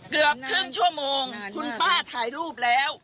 เกือบครึ่งชั่วโมงคุณป้าถ่ายรูปแล้ว